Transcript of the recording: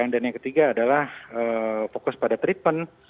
dan yang ketiga adalah fokus pada treatment